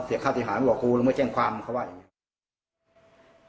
เสียค่าติดหาบอกว่ากูไม่แจ้งความเขาว่าอย่างนี้